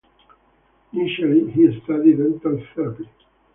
Initially he studied dental therapy.